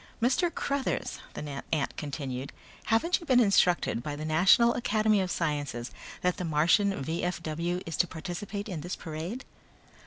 "Mr. Cruthers," the ant continued, "haven't you been instructed by the National Academy of Sciences that the Martian V.F.W. is to participate in this parade?"